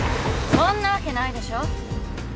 そんなわけないでしょ。